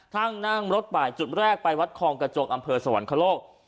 นั่งรถบ่ายจุดแรกไปวัดคลองกระจกอำเภอสวรรคโลก